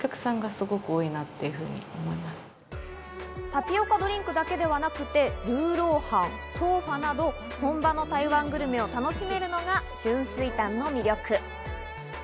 タピオカドリンクだけではなくて、魯肉飯、豆花など本場の台湾グルメを楽しめるのが春水堂の魅力。